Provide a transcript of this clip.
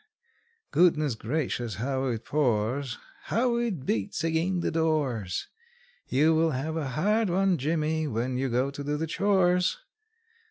Goodness gracious, how it pours! How it beats ag'in the doors! You will have a hard one, Jimmy, when you go to do the chores!